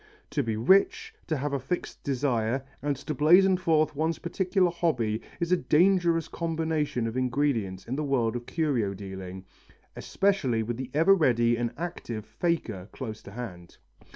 To be rich, to have a fixed desire and to blazen forth one's particular hobby is a dangerous combination of ingredients in the world of curio dealing, especially with the ever ready and active faker close to hand.